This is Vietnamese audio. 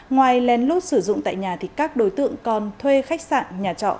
ngoài lén lút sử dụng tại nhà thì các đối tượng còn thuê khách sạn nhà trọ